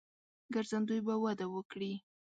ګرځندوی به وده وکړي.